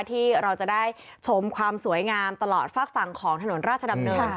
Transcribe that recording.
ที่เราจะได้ชมความสวยงามตลอดฝากฝั่งของถนนราชดำเนิน